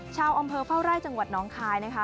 ชาวอ่ำเผอร์เฝ้าไร้จังหวัดน้องคาย